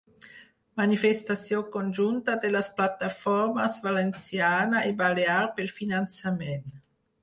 Manifestació conjunta de les plataformes valenciana i balear pel finançament.